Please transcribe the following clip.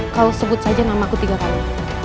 kau sebut saja namaku tiga kali